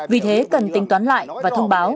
vì thế cần tính toán lại và thông báo